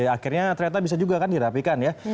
akhirnya ternyata bisa juga kan dirapikan ya